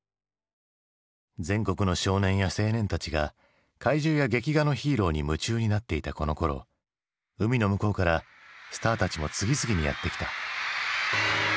全国の少年や青年たちが怪獣や劇画のヒーローに夢中になっていたこのころ海の向こうからスターたちも次々にやって来た。